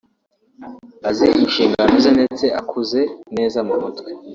azi inshingano ze ndetse akuze neza mu mutwe